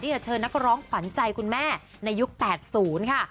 จะเชิญนักร้องขวัญใจคุณแม่ในยุค๘๐ค่ะ